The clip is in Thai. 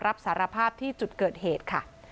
รับสารภาพที่จุดเกิดเหตุค่ะ